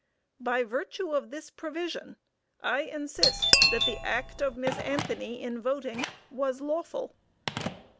By virtue of this provision, I insist that the act of Miss Anthony in voting was lawful.